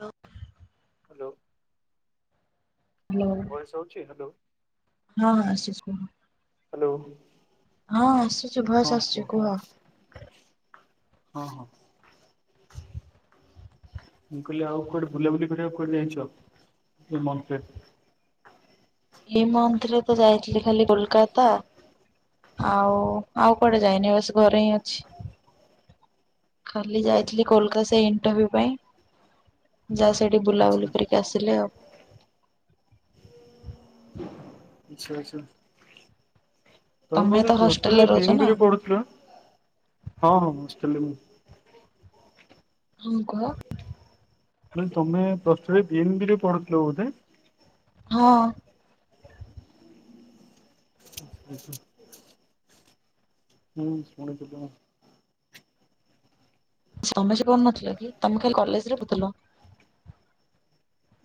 Hello. Hello. Hello voice ଆଉଛି hello ହଁ ଆସୁଛି କୁହ ହାଲୋ। ହଁ ଆସୁଛିୁ ଭଏସ୍ ଆସୁଛି କୁହ। ହଁ ହଁ। ମୁଁ କହିଲି ଆଉ କୁଆଡେ ବୁଲାବୁଲି କରିବାକୁ କୁଆେ ଯାଇଛ ଏଇ ମନଥ୍ ରେ। ଏଇ ମନଥ୍ ରେ ତ ଯାଇଥିଲି ଖାଲି କୋଲକାତା। ଆଉ ଆଉ କୁଆଡେ ଯାଇନି, ବାସ ଘରେ ହିଁ ଅଛି। ଖାଲି ଯାଇଥିଲି କୋଲକତା ସେ ଇଣ୍ଟରଭ୍ୟୁ ପାଇଁ। ଯା ସେଇଟି ବୁଲାବୁଲି ଆଚ୍ଛା କରିକି ଆସିଲି ଆଉ। ଆଛା ଆଛା ତମେ ତମେ ବୋଧେ ତ ପ୍ଲସ୍ ଟୁ ରେ ହଷ୍ଟେଲରେ ବି ରହୁଛ ଏମ୍ ନା ବି ରେ ପଢୁଥିଲ। ହଁ ହଁ ହଷ୍ଟେଲ ରେ ମୁଁ। ହଁ କୁହ। ମାନେ ତମେ plus two B M B ରେ ପଢୁଥିଲ ବୋଧେ। ହଁ। ଆଛା। ହୁଁ ସୁଣୀଥିଲୀ ମୁଁ। ସମସ୍ତେ ପାଡୁ ନଥିଲେ କି ତମେ ଖାଲି କଲେଜ ରେ ପଢୁଥିଲା।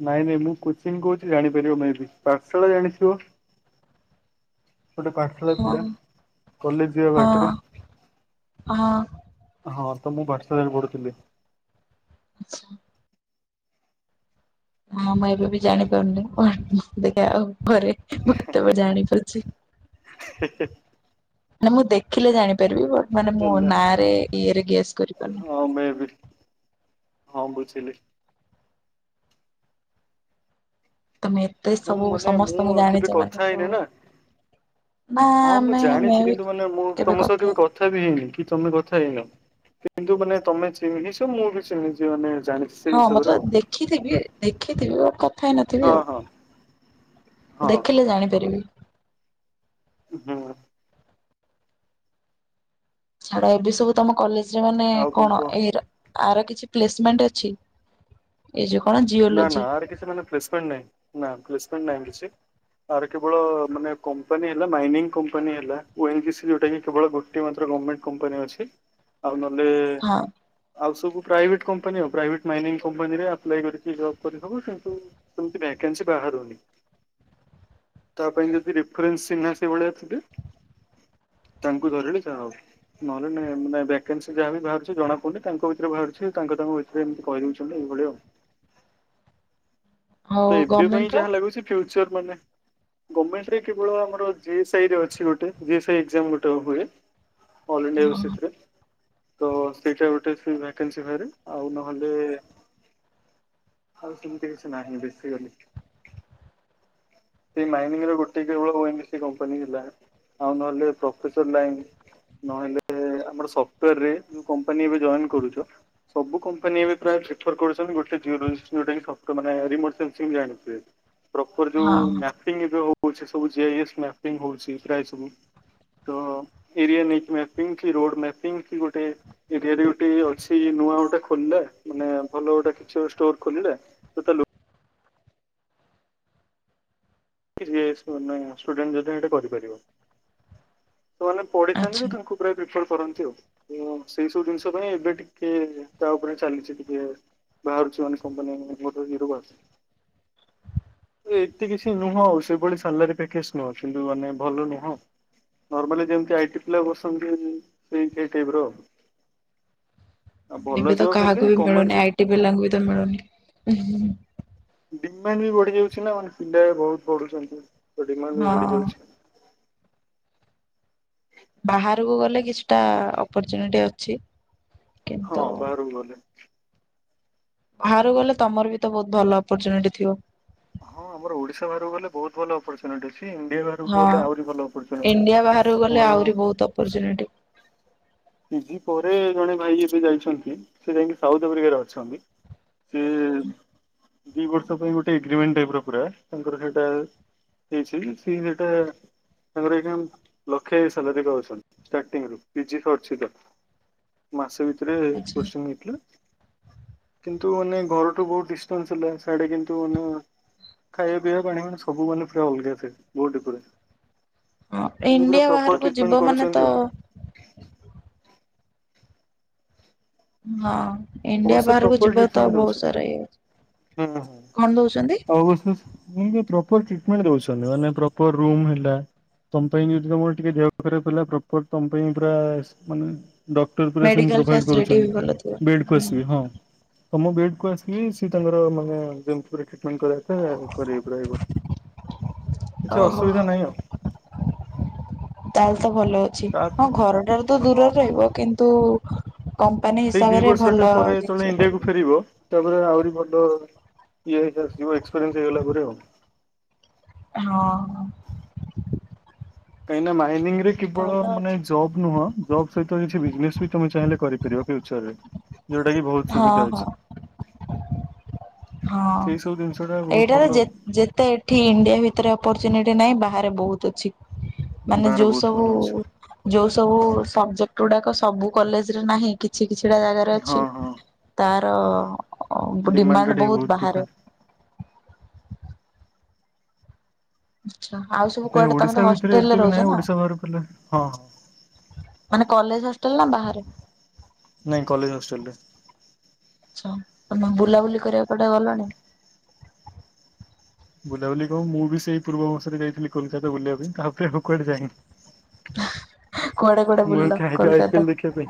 ନାଇଁ ନାଇଁ ମୁଁ କୋଚିଂ କହୁଛି ଜାଣିପାରିବ ମେବି, ପାଠଶାଳା ଜାଣିଥିବ। ଗୋଟେ ପାଠଶାଳା ହଁ ଥିଲା, କଲେଜ ଯିବା ହଁ ବାଟରେ। ହଁ। ହଁ ତ ମୁଁ ପାଠ ଶାଳାରେ ପଢୁଥିଲି। ଆଛା। ହଁ ମୁଁ ଏବେ ବି ଜାଣିପାରୁନି [unintelligible] ଦେଖା ଆଉ ଘରେ ବଟ୍ କେବେ ଜାଣିପାରୁଛି। ମାନେ ମୁଁ ଦେଖିଲେ ଜାଣିପାରିବି ବଟ୍ ମାନେ ମୁଁ ହେଲା। ନାରେ ଇଏରେ ଗେସ୍ କରିପାରୁନି। ହଁ ମେ ବି। ହଁ ବୁଝିଲି। ତମେ ଏତେ ମୁଁ ସବୁ ମାନେ ମୁଁ ସମସ୍ତଙ୍କୁ କେବେ ଜାଣିଛ କଥା ମାନେ ତ। ହେଇନି ନା। ନା ହଁ ମୁଁ ଆମେ ଜାଣିଛି ମେବି କିନ୍ତୁ ମାନେ ମୁଁ ତମ କେବେ ସହ କଥା କେବେ ହେଇ କଥା ବି ହେଇନି କି ତମେ କଥା ହେଇନ କିନ୍ତୁ ମାନେ ତମେ ଚିହ୍ନିଚ୍ଛ, ମୁଁ ବି ଚିହ୍ନିଚି ମାନେ ଜାଣି ହଁ ମତେ ଦେଖିଥିବି ଦେଖିଥିବ କଥା ହେଇ ନଥିବି ହଁ ଆଉ। ହଁ ହଁ ଦେଖିଲେ ଜାଣିପାରିବି। ହୁଁ। ଛାଡ ଏବେ ସବୁ ତମ କଲେଜରେ ମାନେ ଆଉ କଣ କୁହ ଏର ଆର କିଛି ପ୍ଲେସମେଣ୍ଟ ଅଛି। ଏଇ ଯୋ କଣ ଜିପ୍ ନା ନା ଆର କିଛି ମାନେ ପେସପେଣ୍ଟ ନାହିଁ, ନା ପେସପେଣ୍ଟ ନାହିଁ କିଛି। ଆର କେବଳ ମାନେ କମ୍ପାନୀ ହେଲା ମାଇନିଂ କମ୍ପାନୀ ହେଲା ଓଲଜିସ ଯୋଉଟାକି କେବଳ ଗୋ ଟିଏ ମାତ୍ର ଗରମେଣ୍ଟ କମ୍ପାନୀ ଅଛି। ଆଉ ନହେଲେ ହଁ ଆଉ ସବୁ ପ୍ରାଇଭେଟ କମ୍ପାନୀ ଆଉ ପ୍ରାଇଭେଟ ମାଇନିଙ୍ଗ କମ୍ପାନୀରେ ଅପ୍ଲାଇ କରି ଜବ୍ କରିଥବ କିନ୍ତୁ ସେମିତି ଭ୍ୟାକେନ୍ସି ବାହାରୁନି। ତା ପାଇଁ ଯଦି ରେଫରେନ୍ସ ଚିହ୍ନା ସେ ଭଳିଆଥିବେ। ତାଙ୍କୁ ଧରିଲି ଯା ହବ ନହେଲେ ନାଇଁ ଏ ଭ୍ୟାକେନ୍ସି ଯାହା ବି ବାହାରୁଛି ଜଣା ପଡୁନି, ତାଙ୍କ ଭିତରେ ବାହାରୁଛି ତାଙ୍କ ତାଙ୍କ ଭିତରେ ସେ ଏମିତି କହିଦଉଛନ୍ତି ଏଇଭଳି ଆଉ। ହଉ ତ ଏବେ ଗମେଣ୍ଟ ପାଇଁ ର ଯାହା ଲାଗୁଛି ଫ୍ୟୁଚର ମାନେ ଗମେଣ୍ଟରେ କେବଳ ଆମର ଜେସାଇରେ ଅଛି ଗୋଟେ ଜେସାଇ ଏକଜାମ୍ ଗୋଟେ ହବ ଏ। ଅଲ୍ ଇଣ୍ଡିଆ ହବ ହଁ ସେଇଥିରେ, ତ ସେଇଟା ଗୋଟେ ଫ୍ରିଭ୍ୟାକେନ୍ସି ବାହାରେ ଆଉ ନହେଲେ ଆଉ ସେମିତି କିଛି ନାହିଁ, ବେଶୀଗଲି ସେଇ ମାଇନିଂରେ ଗୋଟିଏ କେବଳ ମାଇନିଙ୍ଗସ କମ୍ପାନୀ ହେଲା। ଆଉ ନହେଲେ ପ୍ରଫେସର ଲାଇନ ନହେଲେ ଆମର ସପ୍ଟରରେ ଯୋଉ କମ୍ପାନୀ ଏବେ ଜଏନ କରୁଛ। ସବୁ କମ୍ପାନୀ ଏଵେ ପ୍ରାୟ ପ୍ରିଫର କରୁଛନ୍ତି, ଗୋଟେ ଜିଓର ମାନେ ଯୋଉଟାକି ସପ୍ଟ ମାନେ ରିମୋଟ କେମିତି ଜାଣିଥିବେ ପ୍ରପର ଯୋଉ ହଁ [unintelligible] ପ୍ରାୟ ସବୁ ତ ଏରିଆ ନେଇକି ମ୍ୟାପିଙ୍ଗ କି ରୋଡ ମ୍ୟାପିଙ୍ଗ କି ଗୋଟେ ଏରିଆରେ ଗୋଟେ ଅଛି ନୂଆ ଗୋଟେ ଖୋଲିଲେ ମାନେ ଭଲ ଗୋଟେ କିଛି ଗୋଟେ ଷ୍ଟୋର ଖୋଲିଲେ ସେତ ଲୋ ୟେସ ମାନେ ଷ୍ଟୁଡେଣ୍ଟ ଯଦି ହେଟା କରିପାରିବ। ତ ମାନେ ପଡ଼ିଥାନ୍ତି ଆଚ୍ଛା ତ ତାଙ୍କୁ ପୁରା ଦେଖିବାକୁ କରନ୍ତି। ଉ ସେଇ ସବୁ ଜିନିଷ ପାଇଁ ଏବେ ଟିକେ ତା ଉପରେ ଚାଲିଛି ଟିକେ। ବାହାରୁଛି ମାନେ କମ୍ପାନୀ ଗୋଟେ ବୀର ବାଚ୍। ଏତେ କିଛି ନୁହଁ ଆଉ ସେଭଳି ସାଲାରୀ ପ୍ୟାକେଜ ନୁହ କିନ୍ତୁ ମାନେ ଭଲ ନୁହଁ। ନର୍ମାଲି ଯେମିତି ଆଇଟି ପିଲା ବସନ୍ତି ସେଇ ସେ ଟାଇପ୍ ର। ଆଉ ଭଲ ଏବେ ତ ଜବ୍ ହେଲେ କାହାକୁ ବି ଗମେଣ୍ଟ ମିଳୁନି ଜବ୍ ଆଇଟି ପିଲାଙ୍କୁ ବି ତ ମିଳୁନି। ଉ ହୁ ଡିମାଣ୍ଡ ବି ବଢ଼ି ଯାଉଛି ନା ମାନେ ପିଲା ଏବେ ବହୁତ୍ ପଢୁଛନ୍ତି ତ ଡିମାଣ୍ଡ ବି ବଢ଼ି ହଁ। ଯାଉଚି। ବାହାରକୁ ଗଲେ କିଛିଟା ଅପର୍ଚୁନିଟି ଅଛି। ହଁ କିନ୍ତୁ ବାହାରକୁ ଗଲେ। ବାହାରୁକୁ ଗଲେ ତମର ବି ତ ବହୁତ ଭଲ ଅପର୍ଚୁନିଟି ଥିବ। ହଁ ଆମର ଓଡ଼ିଶା ବାହାରକୁ ଗଲେ ବହୁତ୍ ଭଲ ଅପର୍ଚୁ ନିଟି। ଛି ଇଣ୍ଡିଆ ବାହାରକୁ ହଁ ପଲେ ଆହୁରି ଭଲ ଅପର୍ଚୁନିଟି ମୋର। ଅପର୍ଚୁନିଟି ପିଜି ପରେ ଜଣେ ଭାଇ ଏବେ ଯାଇଛନ୍ତି ସେ ଯାଇକି ସାଉଥ ଆଫ୍ରିକାରେ ଅଛନ୍ତି। ସେ ଦି ବର୍ଷ ପାଇଁ ଗୋଟେ ଏଗ୍ରିମେଣ୍ଟ ଟାଇପ ର ପୁରା ତାଙ୍କର ସେଇଟା। ହେଇଛି ସେଇ ସେଇ ଟା ତାଙ୍କର ଏଞା ଲକ୍ଷେ ସାଲରୀ ରେ ଅଛନ୍ତି। ଷ୍ଟାଟିଂ ରୁ ପିଜି ଖ ଛିତ ମାସେ ଭିତରେ ଆଛା ପରିଶ୍ରମ ହେଇଥିଲା। କିନ୍ତୁ ମାନେ ଘରଠୁ ବହୁତ ଡିଷ୍ଟାନ୍ସ ଥିଲେ ସେଆଡ଼େ କିନ୍ତୁ ମାନେ ଖାଇବା ପିଇବା ପାଣି ମାନ ସବୁ ମାନେ ପୁରା ଅଲଗା ଫେ ବହୁତ୍ ହଁ ଡିଫରେନ୍ସ। କିମିତି ପୁରା ଇଣ୍ଡିଆ ପ୍ରପର ବାହାରକୁ ଯିବ ଟ୍ରିଟମେଣ୍ଟ ମାନେ ତ କରୁଛନ୍ତି ଆଉ। ହଁ ଇଣ୍ଡିଆ ଅବଶ୍ୟ ବାହାରକୁ ପ୍ରପର ଯିବ ତ ଟ୍ରିଟମେଣ୍ଟ ବହୁତ୍ ଦଉଛନ୍ତି। ସାରା ଇଏ। ହୁଁ ହୁଁ କଣ ଦଉଛନ୍ତି ଆଉ ବୁସୁସ୍ ଉଁ ଜେ ପ୍ରୋପର୍ ଟ୍ରିଟମେଣ୍ଟ୍ ଦୋଉଚନ୍ତି, ଅନ୍ୟ ପ୍ରପର ରୁମ୍ ହେଲା। ତମ ପାଇଁ ଯଦି ତମର ଟିକେ ଦେହ ଖରାପ ହେଲା ପ୍ରପର୍ ତମ ପାଇଁ ମୁଁ ପୁରା ମାନେ ଡ [unintelligible] ମେଡିକାଲ ପ୍ରୋଭାଇଟ ଫାସିଲିଟି ବି କରୁଛନ୍ତି, ଭଲ ଥିବ। ବେଡ୍ କୁ ଆସିବେ ହଁ। ତମ ବେଡ୍ କୁ ଆସିଲି ସେ ତାଙ୍କର ମାନେ ଜଙ୍କଫୋର୍ ରେ ଖାଇ ଫୋନ୍ କରିବା ପାଇଁ ଆ କରେଇ ପୁରା ହେଇ ପ କିଛି ଓହୋ ଅସୁବିଧା ନାହିଁ ଆଉ। ତାହେଲେ ତ ଭଲ। ଆଛି ହଁ ତାପରେ ଘର ଠାରୁ ତ ହଁ ଦୂରରେ ରହିବ, କିନ୍ତୁ ମାନେ ସେଇ ଦି ବର୍ଷ ଟା ପରେ ତଳେ ଇଣ୍ଡିଆକୁ ଫେରିବ। ତାପରେ ଆହୁରି ଭଲ ଇଏ ହେଇ ଆସଯିବ ଏକ୍ସପିରିଏନ୍ସ ହେଇଗଲା ପରେ ଆଉ। ହଁ। କାହିଁକି ନା ମାଇନିଂ ରେ କେବଳ ଭଲ ମାନେ ଅଛି ଜବ୍ ନୁହଁ ଜବ୍ ସହିତ କିଛି ବିଜନେସ୍ ବି ତମେ ଚାହିଁଲେ କରିପାରିବ ଫ୍ୟୁଚର ରେ, ଯୋଉଟା କି ବହୁତ୍ ହଁ ସୁବିଧା ହଁ ଅଛି। ହଁ ସେଇ ସବୁ ଜିନିଷ ଟା ବହୁତ ଏଇଟାରେ ଭଲ ଯେ ଆଉ ଯେତେ ଏଠି ଇଣ୍ଡିଆ ଭିତରେ ଅପରଚୁନିଟି ନାହିଁ ବାହାରେ ବୋହୁତ୍ ଅଛି, ମାନେ ବାର ଯୋଉ ବହୁତ ସବୁ ଭଲ ଅଛି ଯୋଉ ସବୁ ସବଜେକ୍ଟ ଗୁଡ଼ାକ ସବୁ କଲେଜ୍ ରେ ନାହିଁ କି କିଛି କିଛିଟା ଜାଗାରେ ଅଛି, ହଁ ହଁ। ତାର ଟା ଡିମାଣ୍ଡ ଟିକେ ବହୁତ ବହୁତ ବି ବାହାରେ ଥାଏ। ଆଛା ଆଉ ସବୁ କାଇଁ କୁଆଡ଼େ ଓଡିଶା ତମେତ ଭିତରେ ହଷ୍ଟେଲ୍ ଏତେ ରେ ବି ନାହିଁ ରହୁଚ ନା? ଓଡିଶା ବାହାରକୁ ହେଲେ ହଁ ହଁ ମାନେ କଲେଜ୍ ହଷ୍ଟେଲ ନା ବାହାରେ? ନାଇଁ କଲେଜ ହଷ୍ଟେଲ ରେ। ଆଛା ତମେ ବୁଲାବୁଲି କରିବାକୁ କୁଆଡ଼େ ଗଲଣି? ବୁଲାବୁଲି କଣ ମୁଁ ବି ସେଇ ପୂର୍ବ ବର୍ଷରେ ଯାଇଥିଲି କୋଲକାତା ବୁଲିବା ପାଇଁ, ତାପରେ ଆଉ କୁଆଡ଼େ ଯାଇନି। କୁଆଡେ କୁଆଡେ ମୁଁ ବୁଲିଲ ଏଙ୍ଖା ଆଇପି କୋଲକାତା ଆଇପିଏଲ ଦେଖିବା ପାଇଁ।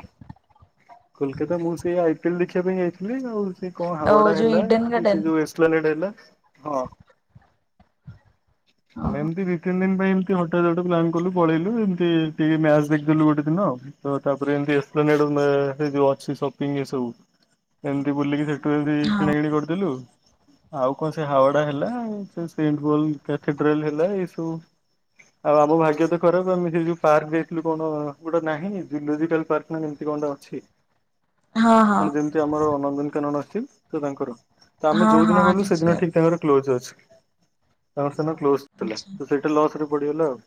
କୋଲକାତା ମୁଁ ସେଇ ଆଇପିଏଲ ଦେଖିବା ପାଇଁ ଯାଇଥିଲି, ଆଉ ସେ କଣ ଓ ହାୱଡା ଯୋଉ ହେଲା ଇଡେନ କି ସେ ଗାର୍ଡେନ ଯୋଉ ଏସ୍ ଚୁଆଲେ ଡେଲା ହଁ ଆମେ ଓହୋ ଏମିତି ଦି ତିନି ଦିନ ପାଇଁ ଏନ୍ତି ହଠାତ୍ ଗୋଟେ ପ୍ନାନ କଲୁ ପଳେଇଲୁ, ଏମତି ଟିକେ ମ୍ୟାଚ ଦେଖି। ଥିଲୁ ଗୋଟେ ଦିନ ତ ତାପରେ ଏମତି ଏକ୍ସପ୍ଲାନେଡ ସେ ଯୋଉ ଅଛି ସପିଙ୍ଗ ଏ ସବୁ ଏମତି ବୁଲିକି ସେଠୁ ଏମିତି କିଣା କିିଣି କରିଦେଲୁ। ଆଉ କଣ ସେ ହାୱଡା ହେଲା ଆଉ ସେ ସେଣ୍ଲ କଥିଡ୍ରାଲ ହେଲା ଏ ସବୁ ଆଉ ଆମ ଭାଗ୍ୟ ତ ଖରାପ ଆମେ ସେଇ ଯୋଉ ପାର୍କ ଯାଇଥିଲୁ। କଣ ଗୋଟେ ନାହିଁ ଜୁଲୋଜିକାଲ ପାର୍କ ନା ଏମତି କଣ ଅଛି, ହଁ ହଁ ହଁ ମାନେ ଯେମତି ଯେ ଆମର ନନ୍ଦନକାନନ ଆସିଛି ତ ତାଙ୍କର। ତ ଆମେ ହଁ ଯୋଉ ହଁ ଦିନ ଗଲୁ ସେଦିନ ଆଚ୍ଛା ଠିକ ତାଙ୍କର କ୍ଲୋଜ ଅଛି, ତାଙ୍କର ସେଦିନ କ୍ଲୋଜ ଥିଲା। ସେଇଟା ଲସରେ ପଡିଗଲା ଆଉ।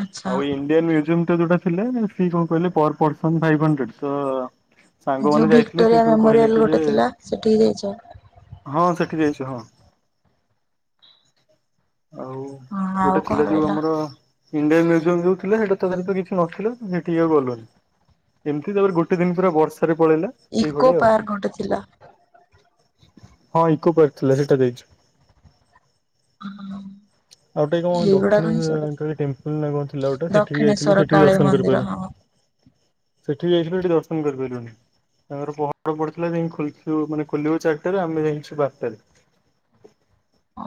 ଆଚ୍ଛା ଆଉ ଇଣ୍ଡିଆନ୍ ମ୍ୟୁଜିୟମ ଟା ଯୋଉଟା ଥିଲା ମାନେ ସିଏ କଣ କହିଲେ ପର ପର୍ସନ ଫାଇଭ ହଣ୍ଡରେଡସ ତ ଯୋଉ ସାଙ୍ଗମାନେ ଯାଇଥିଲେ ଭିକ୍ଟୋରିଆ ସେସବୁ କହିଲେ ମେମୋରିଆଲ କି ଯେ ଗୋଟେ ଥିଲା ସେଠିକି ଯାଇଛ ହଁ ସେଠିକି ଯାଇଛି ହଁ ଆଉ ହଁ ଆଉ ଗୋଟେ କଣ ଥିଲା ଯୋଉ ରହିଲା ଆମର ଇଣ୍ଡିଆନ୍ ମ୍ୟୁଜିୟମ ଯୋଉ ଥିଲା ହେଟା ତ ଖାଲିତ କିଛି ନଥିଲା ହେଟିକି ଆଉ ଗଲୁନୁ। ଏମିତି ତାପରେ ଗୋଟେ ଦିନ ପୁରା ବର୍ଷାରେ ପଳେଇଲା। ଇକୋ ଏଇଭଳିଆ ଆଉ ପାର୍କ ଗୋଟେ ଥିଲା। ହଁ ଇକୋ ପାର୍କ ଥିଲା ସେଇଟା ଯାଇଚୁ। ଆଉ ଗୋଟେ କଣ ଦକ୍ଷିଣ ଏଇଗୁଡାକ ହିଁ କାଳି ଟେମ୍ପଲ [unintelligible] କଣ ଥିଲା ଗୋଟେ ସେଠିକି ଯାଇଥିଲୁ ଦକ୍ଷିଣେଶ୍ଵର ସେଠି ବି କାଳୀ ଦର୍ଶନ ମନ୍ଦିର କରିପାରିଲୁ ହଁ ନାହିଁ। ସେଠିକି ଯାଇଥିଲୁ ସେଠି ଦର୍ଶନ କରିପାଇଲୁନି। ତାଙ୍କର ପହଡ ପଡିଥିଲା ଯାଇ ଖେଲକୁ ମାନେ ଖୋଲିବ ଚାରିଟାରେ ଆମେ ଯାଇଛୁ ବାରଟାରେ।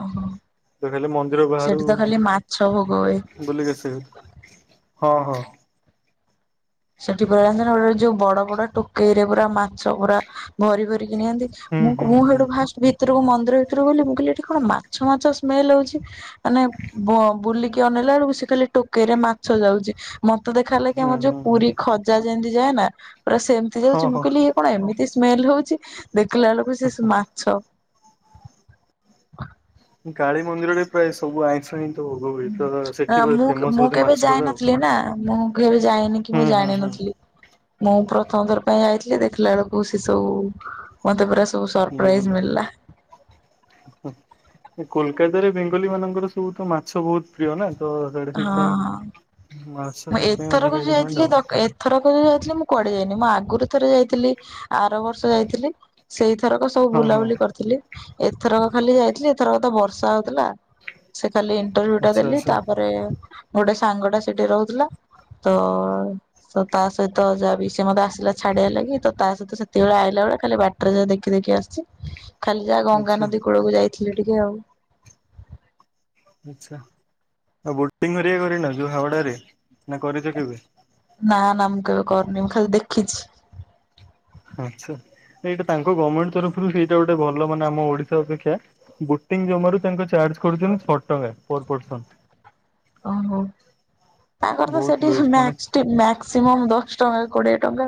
ଓହୋ ତ ଖାଲି ମନ୍ଦିର ସେଠି ବାହାରୁ ତ ଖାଲି ମାଛ ଭେଗ ହୁଏ। ବୁଲିକି ଆସି ହଉନି ହଁ ହଁ। ସେଠି ପୁରା ଯଣିଚନା ଗୋଟେ ଯୋଉ ବଡ ବଡ ଟୋକେଇରେ ପୁରା ମାଛ ପୁରା ଭରିଭରିକି ନିଅନ୍ତି ହୁଁ ମୁଁ କ ହୁଁ ମୁଁ ହୁଁ ହେଠୁ ଫାଷ୍ଟ ଭିତରକୁ ମନ୍ଦିର ଭିତରକୁ ଗଲି ମୁଁ କହିଲି ଏଠି କଣ ମାଛ ମାଛ ସ୍ମେଲ ହଉଛି। ମାନେ ବ ବୁଲିକି ଅନେଇଲା ବେଳକୁ ସେ ଖାଲି ଟୋକେଇରେ ମାଛ ଯାଉଛି। ମତେ ଦେଖା ହେଲା କି ହୁଁ ଆମର ଯୋଉ ହୁଁ ହୁଁ। ପୁରୀ ଖଜା ଯେମିତି ଯାଏ ନା ପୁରା ସେମିତି ହଁ ଯାଉଛି, ମୁଁ ହଁ। କହିଲି ଇଏ କଣ ଏମିତି ସ୍ମେଲ ହଉଛି? ଦେଖିଲା ବେଳକୁ [unintelligible] ମାଛ। କାଳୀ ମନ୍ଦିରରେ ପ୍ରାୟ ସବୁ ଆଇଁଷ ହିଁ ଭୋଗ ହୁଏ। ତ ସେଠି ବୋଧେ ମୁଁ ପୁରା ଫେମସ ମୁଁ ବୋଧେ କେବେ ମାଛରା ଆଉ। ଯାଇନଥିଲି ନା ମୁଁ କେବେ ଯାଇନି କି ହୁଁ ମୁଁ ହୁଁ ହୁଁ। [inaudible] ଜାଣିନଥିଲି। ମୁଁ ପ୍ରଥମଥର ପାଇଁ ଯାଇଥିଲି। ଦେଖିଲା ବେଳକୁ ସେ ସବୁ ମତେ ପୁରା ସ ସର୍ପ୍ରାଇଜ ବୁଝିଲି। ମିଳିଲା। କୋଲକାତାରେ ବେଙ୍ଗଲୀ ମାନଙ୍କର ସବୁ ତ ମାଛ ବହୁତ ପ୍ରିୟ ନା ତ [unintelligible] ହଁ ହଁ। ସେଥିପାଇଁ ମା ମୁଁ ଏଥରକ ଯୋଉ ଯାଇଥିଲି ଦଖ ଏ ଥରକ ଯୋଉ ଯାଇଥିଲି ମୁଁ କୁଆଡ଼େ ଯାଇନି। ମୁଁ ଆଗରୁ ଥରେ ଯାଇଥିଲି ଆର ବର୍ଷ ଯାଇଥିଲି। ସେଇଥରକ ସବୁ ହଁ ହଁ। ବୁଲାବୁଲି କରିଥିଲି। ଏଥରକ ଖାଲି ଯାଇଥିଲି, ଏଥରକ ତ ବର୍ଷା ହଉଥିଲା। ସେ ଖାଲି ଇଣ୍ଟରଭ୍ୟୁ ଟା ଆଚ୍ଛା ଦେଲି। ଆଚ୍ଛା ତାପରେ ଗୋଟେ ସାଙ୍ଗ ଟା ସେଠି ରହୁ ଥିଲା ତ ସ ତା ସହିତ ଯାହା ବି ସେ ମତେ ଆସିଲା ଛାଡି଼ଆ ଲାଗି। ତ ତା ସହିତ ସେତିକିବେଳେ ଆଇଲା ବେଳେ ଖାଲି ବାଟ ରେ ଯାହା ଦେଖି ଦେଖି ଆସିଚି। ଖାଲି ଯାହା ଆଚ୍ଛା ଗଙ୍ଗାନଦୀ କୂଳକୁ ଯାଇଥିଲି ଟିକେ ଆଉ। ଆଛା ଆଉ ବୋଟିଂ ହରିକା କରିନ ଯୋଉ ହାଉଡାରେ ନା କରିଛ କେବେ? ନା ନା ମୁଁ କେବେ କରିନି ମୁଁ ଖାଲି ଦେଖିଛି। ଆଚ୍ଛା। ନା ଏଇଟା ତାଙ୍କ ଗମେଣ୍ଟ୍ ତରଫରୁ ହେଇଟା ଗୋଟେ ଭଲ ମାନେ ଆମ ଓଡ଼ିଶା ଅପେକ୍ଷା ବୋଟିଂ ଜମାରୁ ତାଙ୍କୁ ଚାର୍ଜ କରୁଛନ୍ତି ଛଅ ଟଙ୍କା ପର ପର୍ସନ। ଓହୋଃ ‌। ତାଙ୍କର ତ ବହୁତ ସେଠି ଲୋଏଷ୍ଟ ମାନେ ମ୍ୟାକ୍ସ ଟି ମ୍ୟାକ୍ସ ସିମମ୍ ଦଶ ଟଙ୍କା କି କୋଡ଼ିଏ ଟଙ୍କା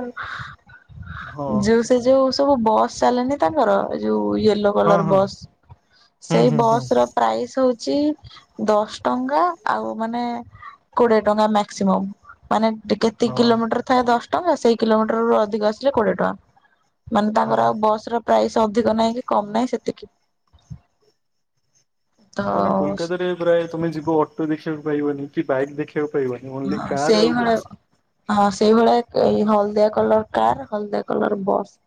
ହଁ ଆଉ। ସେ ଯୋଉ ସବୁ ବସ୍ ଚାଲିନି ତାଙ୍କର ଯୋଉ ୟେଲୋ ହଁ କଲର ହଁ ବସ୍। ହୁଁ ସେଇ ହୁଁ ହୁଁ ବସ ର ପ୍ରାଇସ୍ ହଉଛି ଦଶ ଟଙ୍କା ଆଉ ମାନେ କୋଡିଏ ଟଙ୍କା ମାକ୍ସିମମ୍। ମାନେ କେତେ ହଁ କିଲୋମିଟର ଥାଏ ଦଶ ଟଙ୍କା ସେଇ କିଲୋମିଟରରୁୁ ଅଧିକ ଆସିଲେ କୋଡିଏ ଟଙ୍କା। ମାନେ ହଁ ତାଙ୍କର ଆଉ ବସ ର ପ୍ରାଇସ୍ ଅଧିକ ନାହିଁ କି କମ ନାହିଁ ସେତିକି। ତ କାହିଁକିନା ହଁ କୋଲକାତାରେ ପ୍ରାୟ ତମେ ଯିବ ଅଟୋ ରିକ୍ସା ପାଇବନି କି ବାଇକ୍ ଦେଖିବାକୁ ପାଇବନି। ଓନ୍ଲି କାର୍ ଆଉ ସେଇଭଳିଆ ବସ୍। ହଁ ସେଇଭଳିଆ ଏ ହଳଦିଆ କଲର କାର, ହଳଦିଆ କଲର ବସ୍।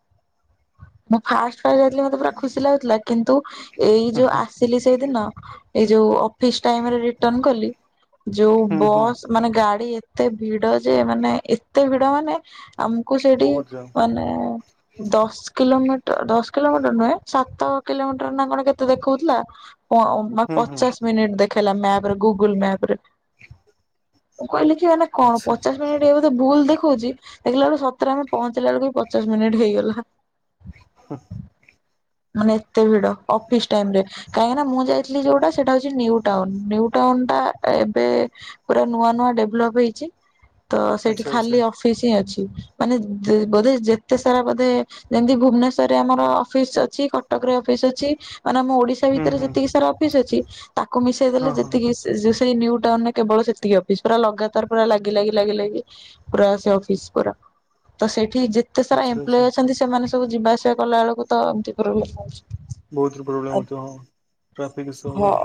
ମୁଁ ଫାଷ୍ଟ ଫାଷ୍ଟ ଯାଇଥିଲି ମତେ ପୁରା ଖୁସି ଲାଗୁଥିଲା। କିନ୍ତୁ ଏଇ ଯୋଉ ଆ ସିଲି ସେଇଦିନ। ଏଇ ଯୋଉ ଅଫିସ ଟାଇମ ରେ ରିଟର୍ନ କଲି ଯୋଉ ହୁଁ ହୁଁ ବସ୍ ମାନେ ଗାଡ଼ି ଏତେ ଭିଡ଼ ଯେ ମାନେ ଏତେ ଭିଡ଼ ମାନେ ଆମକୁ ସେଠି ବହୁତ ଯାମ୍ ମାନେ ଦଶ କିଲୋମିଟର ଦଶ କିଲୋମିଟର ନୁହେଁ ସାତ କିଲୋମିଟର ନା କଣ କେତେ ଦେଖଉଥିଲା ହୁଁ ହୁଁ ପ-ପଚାଶ ମିନିଟ ଦେଖେଇଲା ମ୍ୟାପରେ ଗୁଗୁଲ ମ୍ୟାପରେ। ମୁଁ କହିଲି କି ମାନେ କଣ ଆଚ୍ଛା ପଚାଶ ମିନିଟ୍ ବୋଧେ ଭୁଲ ଦେଖଉଛି ଦେଖିଲା ବେଳକୁ ସତରେ ଆମେ ପହଞ୍ଚିଲା ବେଳକୁ ବି ପଚାଶ ମିନିଟ୍ ହେଇଗଲା। ହଁ। ମାନେ ଏତେ ଭିଡ଼ ଅଫିସ ଟାଇମ ରେ। କାହିଁକିନା ମୁଁ ଯାଇଥିଲି ଯୋଉଟା ସେଇଟା ହଉଛି ନିଉ ଟାଉନ। ନିଉ ଟାଉନ ଟା ଏବେ ପୁରା ନୂଆ ନୂଆ ଡେଭଲପ୍ ହେଇଛି, ତ ସେଇଠି ଆଚ୍ଛା ଆଚ୍ଛା ଖାଲି ଅ ଫିସ ହିଁ ଅଛି। ମାନେ ବୋଧେ ଯେତେ ସାରା ବୋଧେ ଯେମତି ଭୁବନେଶ୍ଵରରେ ଆମର ଅଫିସ ଅଛି, କଟକରେ ଅଫିସ ଅଛି ମାନେ ଆମ ଓଡିଶା ହୁଁ ଭିତରେ ହୁଁ ଯେତିକି ସାରା ଅଫିସ୍ ଅଛି, ତାକୁ ମିଶେଇ ହଁ ଦେଲେ ହଁ ଯେତିକି ସେଇ ନିଉ ଟାଉନରେ କେବଳ ସେ ତିକି ଅଫିସ। ପୁରା ଲଗାଦାର ପୁରା ଲାଗି- ଲାଗି- ଲାଗି -ଲାଗି ପୁରା ସେ ଅଫିସ ପୁରା। ତ ସେଇଠି ଯେତେ ସାରା ଆଚ୍ଛା ଆଚ୍ଛା ଏମ୍ପ୍ଲୋଏ ଅଛନ୍ତି ସେମାନେ ସବୁ ଯିବା ଆସିବା କଲା ବେଳକୁ ତ ଏମତି ପ୍ରୋବ୍ଲେମ ହଉଛି। ବହୁତ ପ୍ରୋବ୍ଲେମ ହଉଥିବ ଟ୍ରାଫିକ ଇସୁ ହଉ ହବ।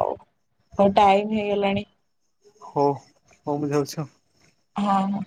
ହଉ ଟାଇମ ହେଇଗଲାଣି। ହଉ ହଉ ମୁଁ ଯାଉଚି ଆଉ। ହଁ ହଁ।